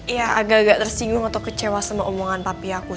ya agak agak tersinggung atau kecewa sama omongan tapi aku